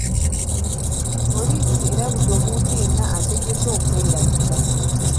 Poliisi erabudde omuntu yenna ategese okwerayiza